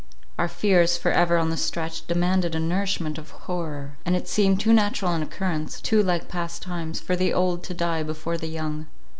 Our fears, for ever on the stretch, demanded a nourishment of horror; and it seemed too natural an occurrence, too like past times, for the old to die before the young.